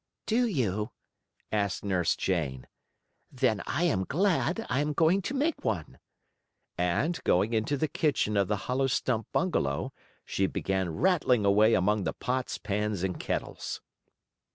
"Do you?" asked Nurse Jane. "Then I am glad I am going to make one," and, going into the kitchen of the hollow stump bungalow, she began rattling away among the pots, pans and kettles.